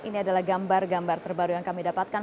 ini adalah gambar gambar terbaru yang kami dapatkan